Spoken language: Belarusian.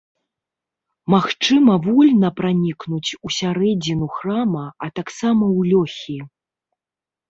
Магчыма вольна пранікнуць усярэдзіну храма, а таксама ў лёхі.